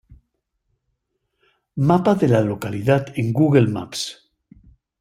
Mapa de la localidad en Google Maps.